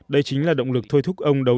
đây chính là động lực thay đổi của người ta